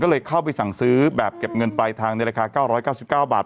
ก็เลยเข้าไปสั่งซื้อแบบเก็บเงินปลายทางในราคา๙๙๙บาท